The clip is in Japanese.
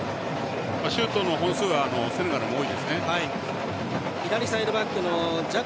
シュートの本数はセネガルも多いです。